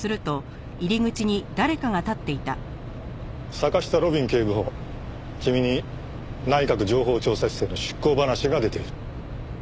坂下路敏警部補君に内閣情報調査室への出向話が出ている。